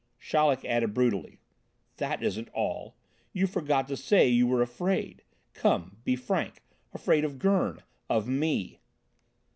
Chaleck added brutally: "That isn't all. You forgot to say you were afraid. Come, be frank, afraid of Gurn, of me!"